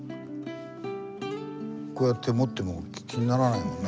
こうやって持っても気にならないもんな。